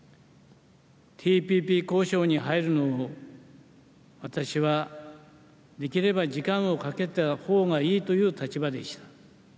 ＴＰＰ交渉に入るのを私は、できれば時間をかけたほうがいいという立場でした。